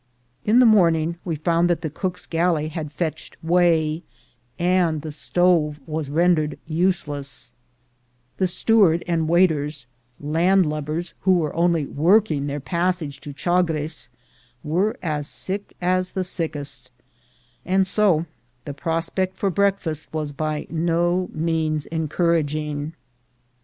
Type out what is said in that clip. In the morning we found that the cook's galley had fetched way, and the stove was rendered use less; the steward and waiters — landlubbers who were only working their passage to Chagres — were as sick as the sickest, and so the prospect for breakfast was by no means encouraging.